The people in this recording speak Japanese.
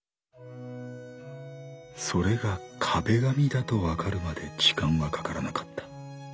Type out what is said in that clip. それが壁紙だと分かるまで時間はかからなかった。